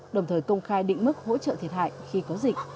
đồng thời công khai định mức hỗ trợ thiệt hại khi có dịch